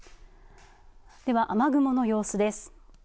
では雨雲の様子です。